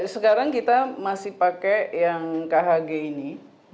sekarang kita masih pakai yang khg ini